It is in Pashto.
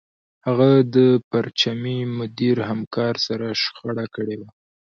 هغه د پرچمي مدیر همکار سره شخړه کړې وه